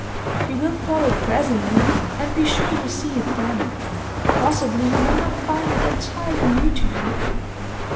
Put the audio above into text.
"He will follow presently, and be sure you see it then! Possibly you may not find it entirely new to you."